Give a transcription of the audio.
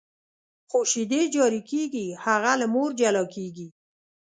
خو شیدې جاري کېږي، هغه له مور جلا کېږي.